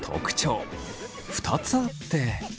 ２つあって。